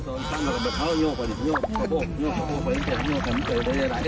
เต้นเรือขนมเธอยังไง